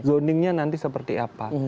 nah ini nanti seperti apa